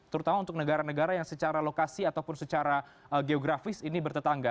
terutama untuk negara negara yang secara lokasi ataupun secara geografis ini bertetangga